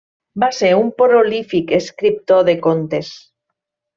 Va ser un prolífic escriptor de contes.